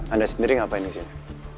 anda sendiri ngapain disini